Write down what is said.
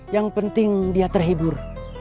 yang penting dia terhibur